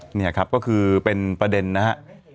นี่ครับก็คือเป็นประเด็นนะครับ